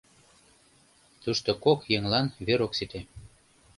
Тушто кок еҥлан вер ок сите…»